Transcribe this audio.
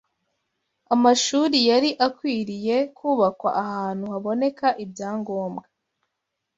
Amashuri yari akwiriye kubakwa ahantu haboneka ibyangombwa